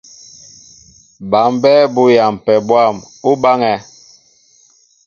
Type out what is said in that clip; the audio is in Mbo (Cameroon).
Bǎ mbɛ́ɛ́ bú yampɛ bwâm, ú báŋɛ́ɛ̄.